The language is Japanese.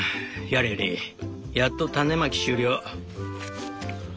やれやれやっと種まき終了」。